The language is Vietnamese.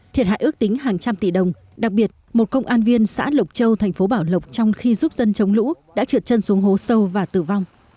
thiệt hại ước tính hàng trăm tỷ đồng đặc biệt một công an viên xã lộc châu thành phố bảo lộc trong khi giúp dân chống lũ đã trượt chân xuống hố sâu và tử vong